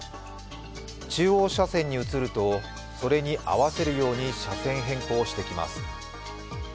中央車線に移るとそれに合わせるように車線変更してきます。